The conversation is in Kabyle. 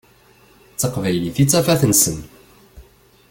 D taqbaylit i d tafat-nsen.